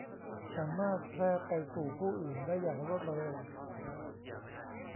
สามารถแพร่ไปสู่ผู้อื่นได้อย่างรวดเร็ว